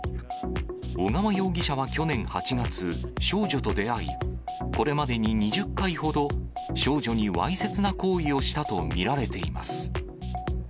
小川容疑者は去年８月、少女と出会い、これまでに２０回ほど少女にわいせつな行為をしたと見られています。